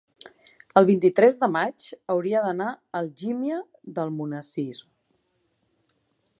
El vint-i-tres de maig hauria d'anar a Algímia d'Almonesir.